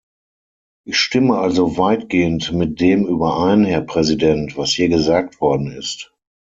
Ich stimme also weitgehend mit dem überein, Herr Präsident, was hier gesagt worden ist.